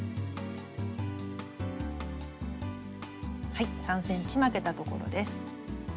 はい３ｃｍ巻けたところです。